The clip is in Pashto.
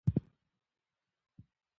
ژامنې یې نښتې وې.